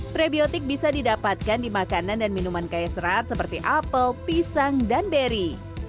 prebiotik bisa didapatkan di makanan dan minuman kaya serat seperti apel pisang dan beri